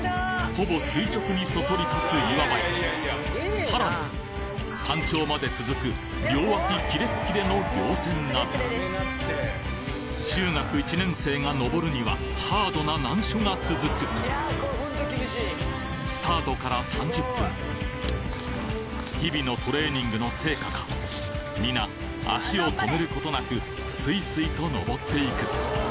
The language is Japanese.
ほぼ垂直にそそり立つ岩場やさらに山頂まで続く両脇キレッキレの稜線など中学１年生が登るにはハードな難所が続くスタートから３０分日々のトレーニングの成果か皆足を止めることなくスイスイと登っていく。